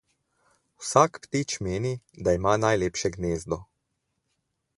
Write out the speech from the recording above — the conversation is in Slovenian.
Vsak ptič meni, da ima najlepše gnezdo.